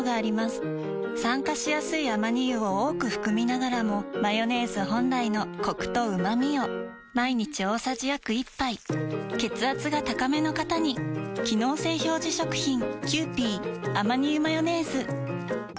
酸化しやすいアマニ油を多く含みながらもマヨネーズ本来のコクとうまみを毎日大さじ約１杯血圧が高めの方に機能性表示食品皆様。